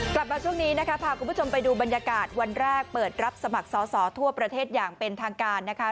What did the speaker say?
กลับมาช่วงนี้นะคะพาคุณผู้ชมไปดูบรรยากาศวันแรกเปิดรับสมัครสอสอทั่วประเทศอย่างเป็นทางการนะคะ